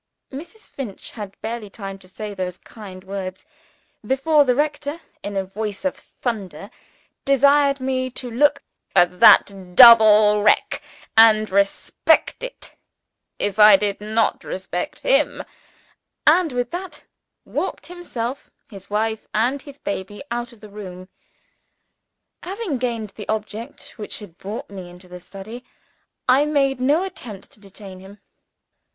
Mrs. Finch had barely time to say those kind words before the rector, in a voice of thunder, desired me to look at "that double Wreck, and respect it if I did not respect him" and with that walked himself, his wife, and his baby out of the room. Having gained the object which had brought me into the study, I made no attempt to detain him.